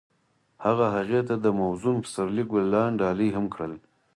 هغه هغې ته د موزون پسرلی ګلان ډالۍ هم کړل.